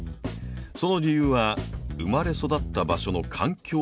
その理由は生まれ育った場所の環境にあります。